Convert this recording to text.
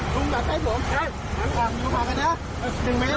ตอนนี้อยู่แถวไหนครับเกม